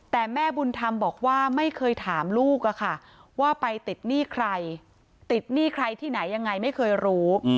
แต่แม่บุญธรรมบอกว่าไม่เคยถามลูกอะค่ะว่าไปติดหนี้ใครติดหนี้ใครที่ไหนยังไงไม่เคยรู้